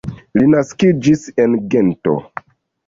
Li naskiĝis en Gento.